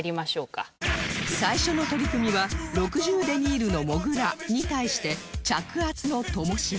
最初の取組は６０デニールのもぐらに対して着圧のともしげ